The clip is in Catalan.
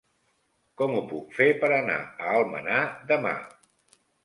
Com ho puc fer per anar a Almenar demà?